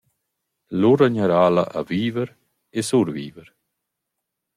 Lura gnarà’la a viver e surviver.